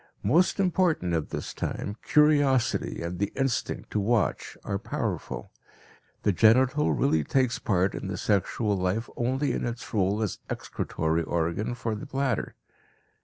Most important at this time, curiosity and the instinct to watch are powerful. The genital really takes part in the sexual life only in its role as excretory organ for the bladder.